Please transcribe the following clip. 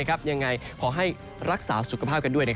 ยังไงขอให้รักษาสุขภาพกันด้วย